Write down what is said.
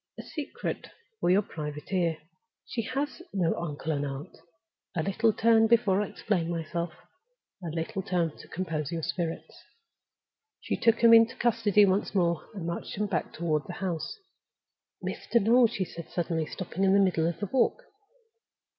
"A secret for your private ear! She has no uncle and aunt. Another little turn before I explain myself—another little turn to compose your spirits." She took him into custody once more, and marched him back toward the house. "Mr. Noel!" she said, suddenly stopping in the middle of the walk.